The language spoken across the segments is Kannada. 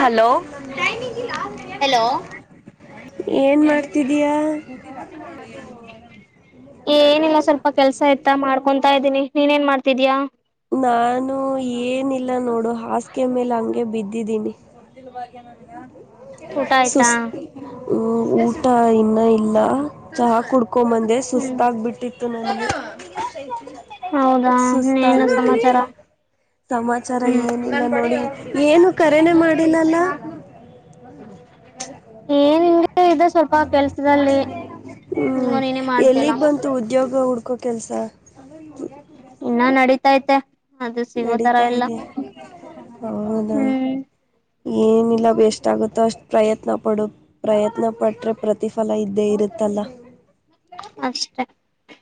ಹಲೋ ಹಲೋ ಏನ್ ಮಾಡ್ತಿದೀಯ ಏನಿಲ್ಲ ಸ್ವಲ್ಪ ಕೆಲ್ಸ ಇತ ಮಾಡ್ಕೊತಾ ಇದ್ದೀನಿ ನೀನ್ೇನ್ ಮಾಡ್ತ ತಿದಿಯಾ ನಾನು ಏನಿಲ್ಲ ನೋಡು ಹಾಸಗೆ ಮೇಲೆ ಹಂಗೆ ಬಿದ್ದಿದ್ದೀನಿ ಚಲ್ವಾಗಿಾಗ ನ ಊಟ [unintelligible] ಆಯ್ತಾ ಸುಸ್ ಊಟ ಇನ್ನ ಇಲ್ಲ ಚಹಾ ಕುಡ್ ಕಕೊಂದೆ ಹ್ಮ್ ಸುಸ್ತಾಗಬಿಟ್ಟಿತ್ತು ನನ್ಗೆ ಹೌದಾ [unintelligible] ತತ್ತ ಇನ್ನೇನು ಸಮಾಚಾರ [unintelligible] ಸಮಾಚಾರ ಹ್ಮ್ ಏನಿಲ್ಲ ನೋಡಿ ಏನು ಕರೆನೆೆ ಮಾಡಿಲ್ಲಲ ಹ್ಮ [unintelligible] ಏನಿಲ್ಲ ಇ ಸ್ವಲ್ಪ ಕೆಲ್ಸದಲ್ಲಿ ಹ್ಮ್ ಅವನ್ ಏನೇ ಮಾಡ್ತಿಲ್ಲ ಎಲ್ಲಿಗ್ ಬಂತು ಉದ್ಯೋಗ ಹುಡ್ಕೋ ಕೆಲ್ಸ ಇನ್ನ ನಡತೈತೆ ಅದು ಸಿಗೋತರ ನಡೀತಾ ಎಲ್ಲ ಇದೆ ಹೌದಾ ಹ್ಮ್ ಏನಿಲ್ಲ ವೇಸ್ಟ್ ಆಗುತ್ತೋ ಅಷ್ಟು ಪ್ರಯತ್ನ ಪಡೋ ಪ್ರಯತ್ನ ಪಟ್ರೆ ಪ್ರತಿಫಲ ಇದ್ದೇ ಇರುತ್ತಲ್ಲ ಅಷ್ಟೆ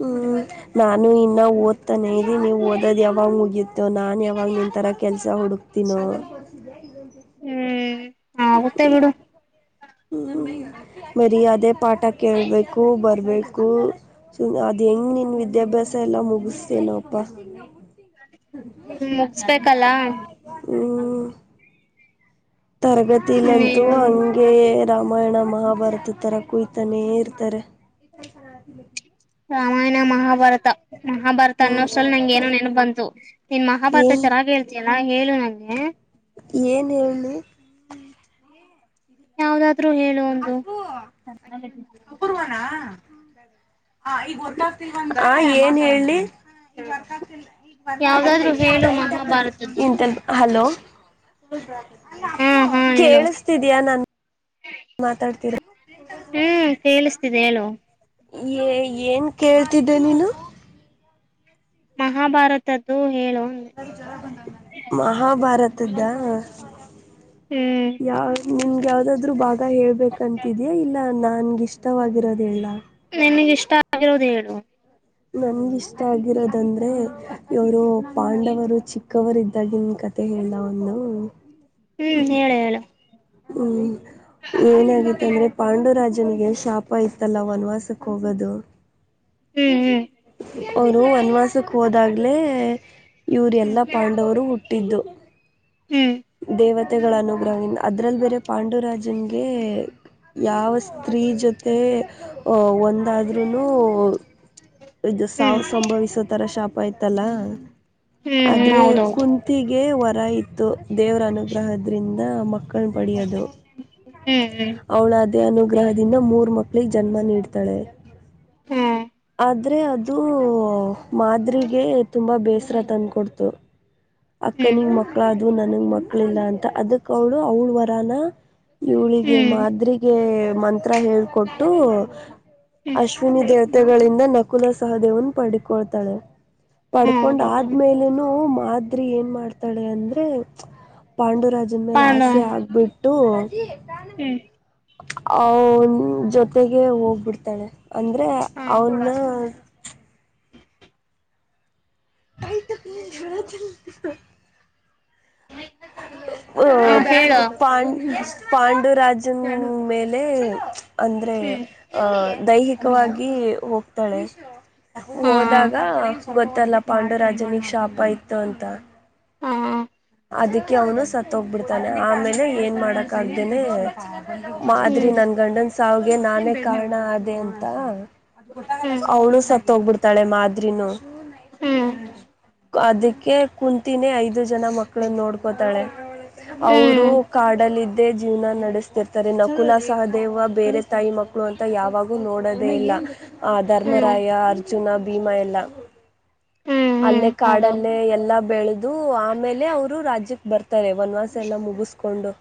ಹ್ಮ್ ನಾನು ಇನ್ನ ಓದ್ ತಾನೆ ಇ ನೀವು ಓದೋದು ಯಾವಾಗ ಮುಗಿಯತೋ ನಾನು ಯಾವಾಗ ನಿಥರ ಕೆಲಸ ಹುಡುಕ್ತೀನೋ ಹ್ಮ್ ಹಾ ಗೊತ್ತೇ ಬಿಿಡು ಹ್ಮ ಮರ್ಯಾದೆ ಪಾಠ ಕೇಳ್ಬೇಕು ಬರ್ ಬೇಕು ಅದ್ ಹೆಂಗ್ ನಿನ್ ವಿದ್ಯಾಭ್ಯಾಸ ಎಲ್ಲ ಮುಗಿಸತೇನಪ್ಪ ಹಾ ತರಗತಿಲ್ಲಂತೂ ಹ್ಮ್ ಹಂಗೆ ರಾಮಾಯಣ ಮಹಾಭಾರತದ ಥರ ಕುಯತಾನೇ ಇರ್ತಾರೆ ಎ ತರಸತಿ ಬೇಕಗೆ ರಾಮಾಯಣ ಮಹಾಭಾರತ ಮಹಾಭಾರತ ಹ್ಮ್ ಅನ್ನೋಸಲಲ್ ನಂಗಗೆ ಏನೋ ನೆಪ ಬಂತು ನೀನ್ ಮಹಾಭಾರತ ಏನ್ ಚೆನ್ನಾಗ್ ಹೇಳ್ತೀನಿ ಎಲ್ಲಾ ಹೇಳು ನಂಗೆ ಏನ್ ಹೇಳಿ ಯಾವ್ದಾದ್ರರು ಹೇಳು ಒಂದು ಈೊ ಏನ್ ಹೇಳಿ ಯಾವ್ದಾದ್ರು ಹೇಳು ಮಹಾಭಾರತದ್ದು [unintelligible] ಇಂತ ಹಲೋ ಹಾ ಹಾ ಹೇಳು ಕೇಳಿಸತಿದಯ ನನ್ ಮಾತಾಡ್ತೀರಾ ಹ್ಮ್ ಕೇಳಿಸ್ತಿದೆ ಹೇಳು ಏನು ಕೇಳ್ತಿದ್ದೆ ನೀನು ಮಹಾಭಾರತದ್ದು ಹೇಳು ಅಂದೆ ಮಹಾಭಾರತದ್ದ ಹ್ಮ್ ಯ ನಿನ್ಗ ಯಾವ್ದಾದ್ರು ಬಾಗ ಹೇಳ್ಬೇಕಂತಿದಯ ಇಲ್ಲ ನನ್ಗಿಷ್ಟ ಇಷ್ಟವಾಗಿರೋದಿಲ್ಲ ತೋ ದ ನನ್ಗಿಷ್ಟ ಆಗಿರೋದಂದ್ರೆ ಇವರು ಪಾಂಡವರು ಚಿಕ್ಕ ಕವರ್ ಇದ್ದಾಗಿನ ಕತೆ ಹೇಳ್ದ ಒಂದು ಹ್ಮ್ ಹೇಳು ಹೇಳು ಹ್ಮ್ ಏನಗತ್ತ ಅಂದ್ರೆ ಪಾಂಡವ ಚ ರಾಜನಿಗೆ ನ್ ಶಾಪ ಇತ್ತಲ್ಲ ವನ್ವಾಸಕ್ಕೆ ಹೋಗೋದು ಹ್ಮ್ ಹ್ಮ್ ಅವರು ವನ್ವಾಸಕ್ ಹೋದಾಗ್ಲೆೇ ಇವ್ರ ಹ್ಮ್ ಎಲ್ಲಾ ಪಾಂಡವರು ಹುಟ್ಟ ತಿಂದುು ಹ್ಮ್ ದೇವತೆಗಳ ಅನುಗ್ರಹಿಂದ ಅದ್ರಲ್ಲಿ ಬೇರೆ ಪಾಂಡುರಾಜನ್ಗೆ ಯಾವ ಸ್ತ್ರೀ ಜೊತೆ ಒಂದಾದ್ರೂ ಇದು ಹ್ಮ್ ಹ್ಮ್ ಸಾವು ಸಂಭವಿಸೋ ತರ ಶಾಪ ಆಯ್ತಲ್ಲ ಹ್ಮ್ ಆದ್ರೆ ಹೌದೌದು ಕುಂತಿಗೆ ವರ ಇತ್ತು ದೇವ್ರ ಅನುಗ್ರಹದ್ರಿಂದ ಮಕ್ಕ ಕ ಪಡೆಯದು ಹ್ಮ್ ಹ್ಮ್ ಅವಳ ಅದೇ ಅನುಗ್ರಹದಿಂದ ಮೂರ್ ಮಕ್ಕಳ ಪ್ಲೀ ಜನ್ಮ ನೀಡ್ತಾಳೆ ಹ್ಮ್ ಆದ್ರೆ ಅದು ಮಾದ್ರರಿಗೆ ತುಂಬಾ ಬೇಸರ ತಂದಕೊಡ್ತು ಹ್ಮ್ ಅಕ್ಕನಿಗ್ ಮಕ್ಳ ಅದು ನನಗ್ ಮಕ್ಳ ಇಲ್ಲ ಅಂತ ಅದಕ್ಕ ಅವಳು ಅವಳ ವರಾನ ಇಳಿಗೆ ಹ್ಮ್ ಮಾದ್ರಿಗೆ ಮ ಮಂತ್ರ ಹೇಕೊಟ್ಟು ಹ್ಮ್ ಹ್ಮ್ ಅಶ್ವಿನಿ ದೇವತೆಗಳಿಂದ ನ ನಕುಲ ಸಹದೇವನ್ ಪಡ್ಕೊಳ್ತಾಳೆ ಪಡ್ಕೊಂಡ್ ಹೌದೌದು ಆದ್ಮೇಲನು ಮಾ ಏನ್ ಮಾಡ್ತಾಳೆ ಅಂದ್ರೆ ಪಾಂಡುರಾಜನ ಮೇಲೆ ಆಸೆ ಪಾಂಡವ ಆಗ್ಬಿಟ್ಟು ಹ್ಮ್ ಅವನ್ ಜೊತೆಗೆ ಹೋಗ್ಬಿಡ್ತಾಳೆ ಅಂದ್ರೆ ಹಾ ಅವನ್ನ ತತ ಜ [inaudible] ಅ ಹ ಹೇಳು ಪಾ ಪಾಂಡುರ ಜನ್ ಮೇಲೆ ಅಂದ್ರೆ ಹ್ಮ್ ಆ ದೈಹಿಕವಾಗಿ ಹೋಗ್ತಾಳೆ ಹಾ ಹೋದಾಗ ಗೊತ್ತಲ್ಲ ಪಾಂಡುರಾಜನಿಗೆ ಶಾಪ ಇತ್ತು ಅಂತ ಹಾ ಅದಕ್ಕೆ ಅವನು ಸತ್ತೋಗ್ಬಿಡ್ತಾನೆ ಆಮೇಲೆ ಏನು ಮಾಡೋಕ್ಕಾಗ್ದೇ ಮಾಧರಿ ಹ್ಮ್ ನನ್ ಗಂಡನ್ ಸಾವಗೆ ನಾನೇ ಕಾರಣ ಅೇ ಅಂತ ಹ್ಮ್ ಅವಳು ಸತ್ ಹೋಗ್ಬಿಡ್ತಾಳೆ ಮಾದ್ರಿನ ಹ್ಮ್ ಅದಕ್ಕೆ ಕುಂತಿನೇ ಐದು ಜನ ಮಕ್ಕಳು ನೋಡ್ಕೋತಾಳೆ ಅವರು ಕಾಡಲಿದ್ದೇ ಜೀವನ ನಡೆಸ್ತಿರ್ತಾರೆ ನಕುಲ ಸಹದೇವ ಬೇರೆ ತಾಯಿ ಮಕ್ಕಳು ಅಂತ ಯಾವಾಗೂ ನೋಡೋದೇ ಇಲ್ಲ ಆ ಹ್ಮ್ ಧರ್ಮರಾಯ ಅರ್ ಅರ್ಜುನ ಭೀಮಾ ಎಲ್ಲ ಅಲ್ಲೇ ಹ್ಮ್ ಹ್ಮ್ ಕಾಡಲ್ಲೇ ಎಲ್ಲಾ ಬೆಳ ಅದು ಆಮೇಲೆ ಅವರು ರಾಜ್ಯಕ್ಕೆ ಬರ್ತಾರೆ ಒನ್ ವಸ್ ಎಲ್ಲ ಮುಗಿಸ್ಕೊಂಡು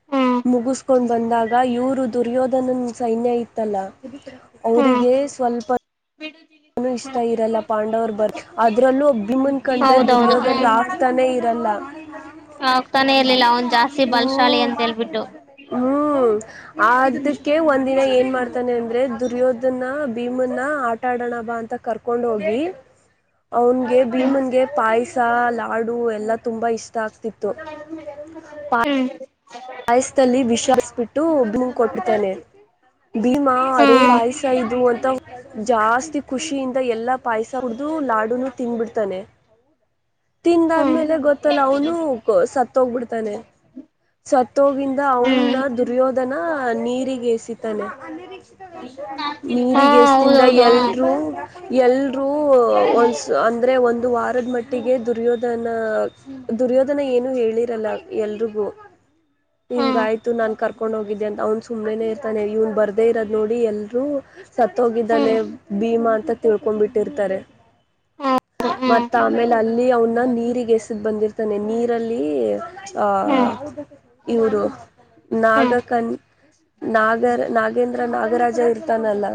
ಹ್ಮ್ ಹೌದೌದು ಹ್ಮ್ ಮುಗಿಸಕೊಂಡ್ ಬಂದಾಗ ಇವರು ದುರ್ಯೋಧನನ್ ಸೈನ್ಯ ಇತ್ತಲ್ಲ ಹ್ಮ್ ಅವರಿಗೆ ಸ್ವಲ್ಪ ನನು ಇಷ್ಟ ಇರಲ್ಲ ಪಾಂಡವರು ಬರ್ ಅದ್ರಲ್ಲೂ ಭೀಮ್ನ್ ಕಂಡ್ರೆ ಹೌದೌದು ದುರ್ಯೋಧನಾ ಆಗ್ತಾನೆ ಇರಲ್ಲ ಅಲ್ಲ ಹ ಆಗ್ತಾನೆ ಇರ್ಲಿಲ್ಲ ಅವನು ಜ ಹ್ಮ್ ಹ್ಮ್ ಅದಕ್ಕೆ ಒಂದಿನ ಏನ್ ಮಾಡ್ತಾನೆ ಅಂದ್ರೆ ದುರ್ಯೋಧನ ಭೀಮನ್ನ ಆಟಾಡೋಣ ಬಾ ಅಂತ ಕರ್ಕೊಂಡ್ ಹೋಗಿ ಅವನ್ಗೆ ಹ್ಮ್ ಭೀಮನ್ಗೆ ಪಾಯಸ ಲಾಡು ಎಲ್ಲಾ ತುಂಬಾ ಇಷ್ಟ ತಕ್ತಿತ್ತು ಹ್ಮ್ ಆಾಯಸ್ಲ್ಲಿ ವಿಷಾರಿಸ್ಬಿಟ್ಟು ಭೂಮ ಕೊಟ್ಟಿದ್ದಾನೆ ಭೀಮಾ ಅರೇ ಹ್ಮ್ ಪಾಯಸ ಇದು ಅಂತ ಜಾಸ್ತಿ ಖುಷಿಯಿಂದ ಎಲ್ಲಾ ಪಾಯಸ ಕುಡ್ದು ಲಾಡುನು ತಿನ್ಬಿಡ್ತಾನೆ ಹ್ಮ್ ತಿಂದಾದ್ಮೇಲೆ ಗೊತ್ತಲ್ಲ ಅವನು ಸತ್ತೋಗ್ಬಿಡ್ತಾನೆ ಸತ್ತೋಗಿಂದ ಅವನ ಹ್ಮ್ ದುರ್ಯೋಧನ ನೀರಿಗೆ ಎಸಿತಾನೆ ಹಾ ನೀರಿಗೆ ಎಸದಿಂದ ಹೌದೌದು ಹ ಎಲ್ರುೂ ಎಲ್ರೂ ಒ ಅಂದ್ರೆ ಒಂದ ವಾರದ ಮಟ್ಟಿಗೆ ದುರ್ಯೋಧನ ದುರ್ಯೋಧನ ಏನು ಹೇಳಿರಲ್ಲ ಎಲ್ರಿಗೂ ಹಾ ಹಿಂಗ ಆಯ್ತು ನಾನ್ ಕರ್ಕೊಂಡ್ ಹೋಗಿದ್ದೆ ಅಂತ ಅವನ್ ಮುಂದೇನೆ ಇರ್ತಾನೆ ಇವ್ನ್ ಬರ್ದೇ ಇರೋದ್ ನೋಡಿ ಎಲ್ರೂ ಸತ್ತೋಗಿದ್ದಾನೆ ಹ್ಮ್ ಹ್ಮ್ ಭೀಮಾ ಅಂತ ತಿಳ್ಕೊಂಡ್ಂಬಿಟ್ಟಿರ್ತಾರೆ ಹೌದು ಹ್ಮ್ ಮತ್ತ ಆಮೇಲೆ ಅಲ್ಲಿ ಅವನ್ನ ನೀರಿಗೆ ಎಸದ್ ಬಂದಿರ್ತಾನೆ ನೀರಲ್ಲಿ ಹ್ಮ್ ಹ್ಮ್ ಆಹ ಇವರು ಹ್ಮ್ ನಾಗಕನ್ ನಾಗರ ನಾಗೇಂದ್ರ ನಾಗರಾಜ ಇರ್ತಾನಲ್ಲ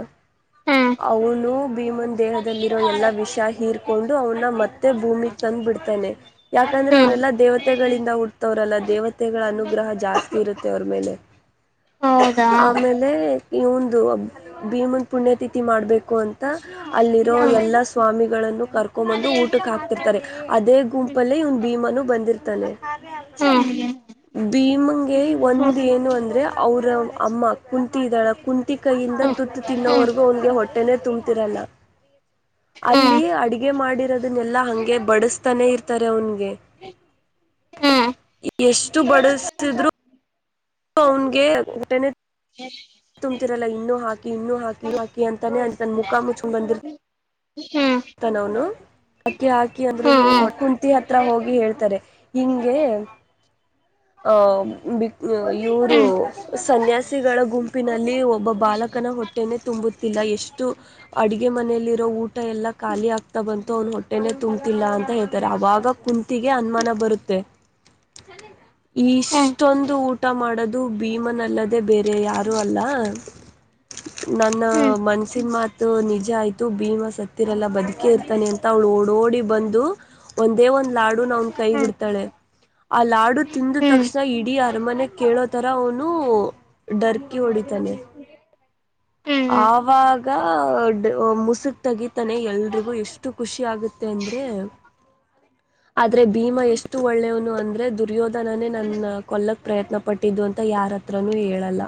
ಅವನು ಭೀಮನ್ ದೇಹದಲ್ಲಿರೋ ಎಲ್ಲಾ ವಿಷ ಹೀರ್ ಕೊಂಡು ಅವ್ನ್ನ ಮತ್ತೆ ಭೂಮಿಗ ತಂದು ಬಿಡ್ತಾನೆ ಯಾಕಂದ್ರೆ ಹ್ಮ್ ಅವ್ರರೆಲ್ಲಾ ದೇವತೆಗಳಿಂದ ಹುಡ್ತವ್ರಲ್ಲ ದೇವತೆಗಳ ಅನುಗ್ರಹ ಜಾಸ್ತಿ ಇರುತ್ತೆ ಅವ್ರ ಮೇಲೆ ಹೌದಾ ಆಮೇಲೆ ಇ ಒಂದು ಭೀಮನ್ ಪುಣ್ಯತಿಥಿ ಮಾಡಬೇಕು ಅಂತ ಅಲ್ಲಿರೋ ಎಲ್ಲಾ ಸ್ವಾಮಿಗಳ ಕರ್ಕೊಂಡಂಬಂದು ಊಟಕ್ಕೆ ಹಾಕ್ತಿರ್ತಾರೆ ಅದೇ ಗುಂಪಲ್ಲೇ ಇವ್ನು ಭೀಮನು ಬಂದಿರ್ತಾನೆ ಹೌ ಭೀಮಂಗೆ ಒಂದ ಏನು ಅಂದ್ರೆ ಅವ್ರ ಅಮ್ಮ ಕುಂತಿ ಇದಾಳ ಕುಂತಿ ಕೈಯಿಂದ ತುತ್ತು ತಿನ್ನೋವರೆಗೂ ಅವನ್ಗೆ ಹೊಟ್ಟೆನೆೇ ತುಂಬ್ತಿರಲ್ಲ ಅಲ್ಲಿ ಅಡ್ಗೆ ಮಾಡಿರೋದನ್ನೆಲ್ಲಾ ಹಂಗೆ ಬಡಸ್ತಾನೆ ಇರ್ತಾರೆ ಅವನ್ಗೆ ಎಷ್ಟು ಬಡಸಿದ್ರು ಅವಂಗೆ ಊಟನೆ ತುಂಬ್ತಿರಲ್ಲ ಇನ್ನೂ ಹಾಕಿ ಇನ್ನೂ ಹಾಕಿ ಹಾಕಿ ಅಂತಾನೆ ಅಲ್ಲಿ ತನ್ನ ಮುಖ ಮುಚ್ಚಕೊಂಡ್ ಬಂದಿರು ತ ನೌನು ಅಕ್ಕಿ ಹಾಕಿ ಅಂದ್ರು ಒ ಕುಂತಿ ಹತ್ರ ಹೋಗಿ ಹೇಳ್ತಾರೆ ಹಿಂಗೆ ಹ ಇವರು ಸನ್ಯಾಸಿಗಳ ಗುಂಪಿನಲ್ಲಿ ಒಬ್ಬ ಬಾಲಕನ ಹೊಟ್ಟೆನೆೇ ತುಂಬುತ್ತಿಲ್ಲ ಎಷ್ಟು ಅಡಗೆ ಮನೆಯಲ್ಲಿರೋ ಊಟ ಎಲ್ಲ ಖಾಲಿ ಆಗ್ತಾ ಬಂತು ಅವನು ಹೊಟ್ಟೆನೆೇ ತುಂಬ್ತಿಲ್ಲ ಅಂತ ಹೇಳ ತಾರೆ ಅವಾಗ ಕುಂತಿಗೆ ಅನುಮಾನ ಬರುತ್ತೆ ಇಷ್ಟೊಂದು ಊಟ ಊಟ ಮಾಡೋದು ಭೀಮನಲ್ಲದೆೇ ಬೇರೆ ಯಾರೂ ಅಲ್ಲ ನನ್ನ ಮನ್ಸಿನ ಮಾತು ನಿಜ ಆಯ್ತು ಭೀಮಾ ಸತ್ತಿರಲ್ಲಾ ಬದುಕೆ ಇರ್ತಾನೆ ಅಂತ ಅವ ಓಡೋಡಿ ಬಂದು ಒಂದೇ ಒಂದ್ ಲಾಡು ನ ಅವನ್ ಕೈಗಿಡ್ತಾಳೆ ಆ ಲಾಡು ತಿಂದ ತಕ್ಷಣ ಇಡೀ ಅರಮನೆ ಕೇಳೋತರ ಅವನು ಡರ್ಕಿ ಹೊಡಿತಾನೆ ಆವಾಗ ಮುಸುಕ್ ತೆಗಿತಾನೆ ಎಲ್ರಿಗೂ ಎಷ್ಟು ಖುಷಿ ಆಗುತ್ತೆ ಅ ಅಂದ್ರೆ ಆದ್ರೆ ಭೀಮಾ ಎಷ್ಟು ಒಳ್ಳೆಯವನು ಅಂದ್ರೆ ದುರ್ಯೋಧನನೇ ನನ್ನ ಕೊಲ್ಲಕ್ ಪ್ರಯತ್ನ ಪಟ್ಟಿದ್ದು ಅಂತ ಯಾರು ಹತ್ರನೂ ಹೇಳಲ್ಲ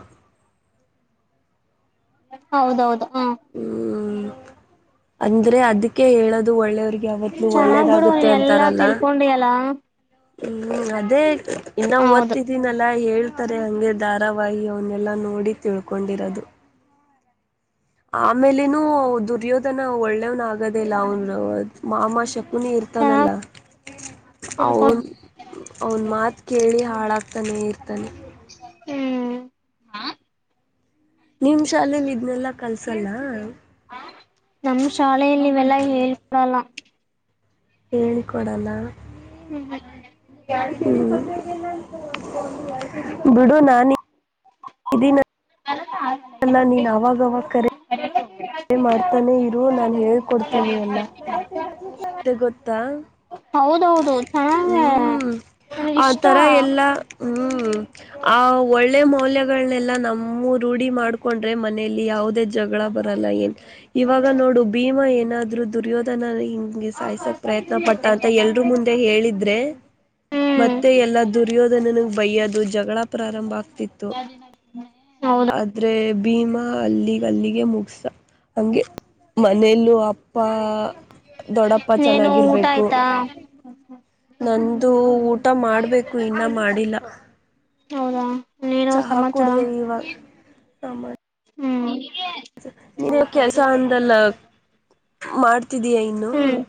ಹೌದೌದು ಹ್ಮ್ ಅಂದ್ರೆ ಅದಕ್ಕೆ ಹೇಳದು ಒಳ್ಳೆಯವ್ರಿಗೆ ಯಾವತ್ಲೂ ಚೆನ್ನಾಗ್ ಬಿಡು ಒಳ್ಳೇದಾಗುತ್ತೆ ನೀನ್ ಎಲ್ಲಾ ಅಂತಾರಲ್ಲ ತಿಳ್ಕೊಂಡಿಯಲ್ಲ ಹ್ಮ್ ಅದೇ ಇನ ಹೌದು ಓದ್ತಿದೀನಲ್ಲಾ ಹೇಳ ಆದತರೆ ಹಂಗೆ ಧಾರಾವಾಹಿ ಅವನ್ನೆಲ್ಲಾ ನೋಡಿ ತಿಳ್ಕೊಂಡಿರೋದು ಆಮೇಲನುೂ ದುರ್ಯೋಧನ ಒಳ್ಳೆವ್ನ ಆಗೋದೇ ಇಲ್ಲ ಅವ್ನು ಮಾಮಾ ಶಕ್ ನೀ ಇರ್ತಾನಲ್ಲ ಚೆನ್ನಾಗ್ ತಿಳ್ಕೊ ಅವನ್ ಅವ್ನ ಮಾತು ಕೇಳಿ ಹಾಳಾಗಕ್ತ ಇರ್ತಾನೇ ಇರ್ತಾನೆ ಹ್ಮ ಹ ನಿಮ್ ಶಾಲೆಲಿ ಇದ್ನೆಲ್ಲಾ ಕಲ್ಸಲ್ಲ ನಮ್ಮ್ ಶಾಲೇಲಿ ಇವೆಲ್ಲಾ ಹೇಳ್ಕೊಡಲ್ಲ ಹೇಳಿಕೊಡಲ್ಲ ಹ್ಮ್ ಹ್ಮ ಬಿಡು ನಾನಿ ಲ್ಲಾ ನೀನ್ ಅವಾಗವಾಗ ಕರೆ ಅೇ ಮಾಡ್ತಾನೆ ಇರು ನಾನನ್ ಹೇಕೊಡ್ತೀನಿ ಅಲ್ಲ ಗೊ ಕುತ್ತ ಹೌದ ಹೌದು ಚೆನ್ನಾಗ ಆ ನನಗಿಷ್ಟ ತರ ಎಲ್ಲ ಹ್ಮ್ ಆ ಹಳೆ ಮೌಲ್ಯಗಳನ್ನೆಲ್ಲ ನಮ್ಮೂ ರೂಢಿ ಮಾಡ್ಕೊಂಡ್ರೆ ಮನೇೆಯಲ್ಲಿ ಯಾವುದೇ ಜಗಳ ಬರಲ್ಲ ಏನು ಇವಾಗ ನೋಡು ಭೀಮಾ ಏನಾದ್ರು ದುರ್ಯೋಧನ ಹಿಂಗೆ ಸಾಯ್ಸಕ್ ಪ್ರಯತ್ನ ಪಟ್ಟಂತ ಎಲ್ರೂ ಮುಂದೆ ಹೇಳಿದ್ರೆ ಹ್ಮ್ ಮತ್ತೆ ಎಲ್ಲ ದುರ್ಯೋದ ನನ ಬೈಯ್ಯೋದು ಜ ಗಳ ಪ್ರಾರಂಭ ಆಗ್ತಿತ್ತು ಹೌದು ಆದ್ರೆ ಭೀಮಾ ಅಲ್ಲಿಗೆ ಅಲ್ಲಿಗೆ ಮುಗಸ ಹೆ ಮನೇಲ್ಲೂ ಅಪ್ಪ ದೊಡ್ಡಪ್ಪ ಚೆನ್ನಾಗಿರ್ಬೇಕು ಹಾ ನಂದು ಊಟ ಮಾಡ್ಬೇಕು ಇನ್ನೂ ಮಾಡಿಲ್ಲ ಅವೌದ ಚಹಾ ಕುೂಡುದವಿ ಇವಾಗ ಆ ಹ್ಮ್ ನೀನ್ ಕೆಲ್ಸ ಅಂದಲ್ಲ ಮಾಡ್ ಮಾಡತಿದಯಾ ಇನ್ನು ಹ್ಮ್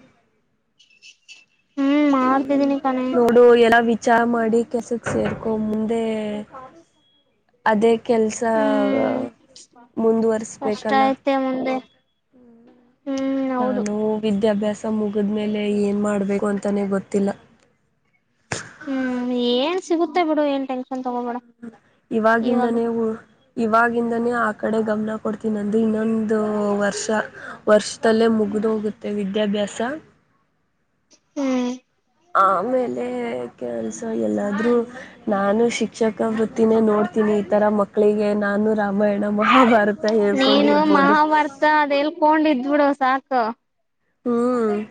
ಹ್ಮ್ ಹ್ಮ್ ಮಾಡ್ತಿದ್ದೀನಿ ಕಣೆ ನೋಡು ಎಲ್ಲಾ ವಿಚಾರ ಮಾಡಿ ಕೆಸಕ್ ಸೇರ್ ಮುಂದೆ ಅದೇ ಕೆಲಸ ಹ್ಮ್ ಕಷ್ಟ ಮುಂದುವರೆಸ್ಬೇಕಲ್ಲ ಐತೆ ಮುಂದೆ ಹ್ಮ್ ಹೌದು ನಾನು ವಿದ್ಯಾಭ್ಯಾಸ ತ ಮುಗದ ಮೇಲೆ ಏನ್ ಮಾಡಬೇಕು ಅಂತಾನೇ ಗೊತ್ತಿಲ್ಲ ಹ್ಮ್ ಏನ್ ಸಿಗುತ್ತೆ ಬಿಡು ಏನ್ ತಗೋಬೇಡ ಹ್ಮ ಇವಾಗ ಇವಾಗಿಂದನೇ ಇವಾಗಿಂದಾನೇ ಆ ಕಡೆ ಗಮನ ಕೊಡ್ತೀನಿ ನನ್ ದು ಇನ್ನೊಂದು ವರ್ಷ ವರ್ಷದಲ್ಲೇ ಮುಗಿದು ಹೋಗುತ್ತೆ ವಿದ್ಯಾಭ್ಯಾಸ ಹ್ಮ್ ಆಮೇಲೆ ಕೆಲ್ಸ ಎಲ್ಲಾದ್ರೂ ನಾನು ಶ ಶಿಕ್ಷಕ ವೃತ್ತಿನೇ ನೋಡ್ತೀನಿ ಈ ತರ ಮಕ್ಕಳಿಗೆ ನಾನು ರಾವ ರಾಮಾಯಣ ಮಹಾಭಾರತ ನೀನು ಹೇಳ್ಕೊಂಡಿರ್ಬೋದು ನೂಡ ಸಾಕು ಹ್ಮ್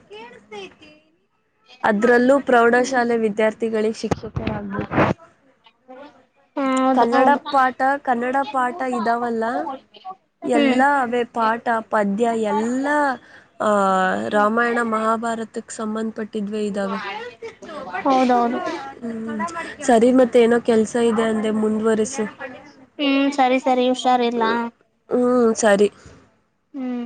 ಅದ್ರಲ್ಲೂ ಹ್ಮ್ ಪ್ರೌಢಶಾಲೆ ವಿದ್ಯಾರ್ಥಿ ಗಳಿಗೆ ಶಿಕ್ಷಕ ಆಗ್ಲಿ ಹೌದು ಕನ್ನಡ ಹೌದು ಪಾಠ ಕನ್ನಡ ಪಾಠ ಇದಾವಲ್ಲ ಎಲ್ಲ ಹ್ಮ್ ಅವೆ ಪಾಠ ಪದ್ಯ ಎಲ್ಲ ಆ ರಾಮಾಯಣ ಮಹಾಭಾರತಕ್ಕೆ ಸಂಬಂಧಪಟ್ಟ ಇದವೆ ಇದ್ದಾವೆ ಹೌದೌದು ಹ್ಮ ಸರಿ ಮತ್ತೆ ಏನೋ ಕೆಲ್ಸ ಇದೆ ಅ ಮುಂದುವರಿಸು ಹ್ಮ್ ಸರಿ ಸರಿ ಹುಷಾರ್ ಇಲ್ಲ ಹ್ಞೂ ಸರಿ ಹ್ಮ್